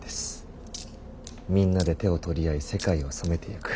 みんなで手を取り合い世界を染めていく。